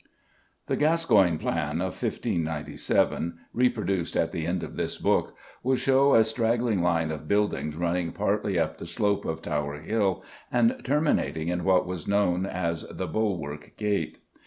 The Gascoyne plan of 1597, reproduced at the end of this book, will show a straggling line of buildings running partly up the slope of Tower Hill and terminating in what was known as the Bulwark Gate.